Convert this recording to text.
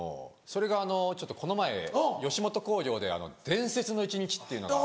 それがこの前吉本興業で『伝説の一日』っていうのが。